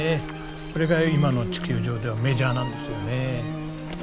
それが今の地球上ではメジャーなんですよねええ。